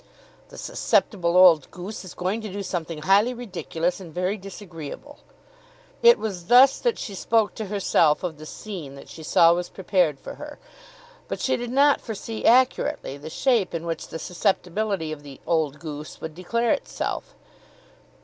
"The susceptible old goose is going to do something highly ridiculous and very disagreeable." It was thus that she spoke to herself of the scene that she saw was prepared for her, but she did not foresee accurately the shape in which the susceptibility of the "old goose" would declare itself.